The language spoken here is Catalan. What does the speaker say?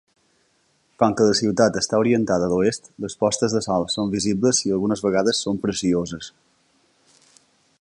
Com que la ciutat està orientada a l'oest, les postes de sol són visibles i algunes vegades són precioses.